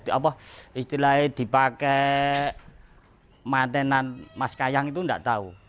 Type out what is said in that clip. jadi dari awal aku enggak tahu kalau dipakai mantenan mas kayang itu enggak tahu